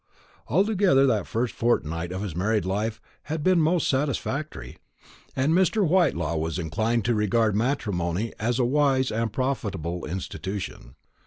Altogether, that first fortnight of his married life had been most satisfactory, and Mr. Whitelaw was inclined to regard matrimony as a wise and profitable institution.